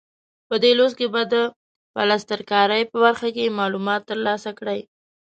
په دې لوست کې به د پلستر کارۍ په برخه کې معلومات ترلاسه کړئ.